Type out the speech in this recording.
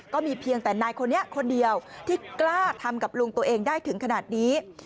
เพียงแต่นายคนนี้คนเดียวที่กล้าทำกับลุงตัวเองได้ถึงขนาดนี้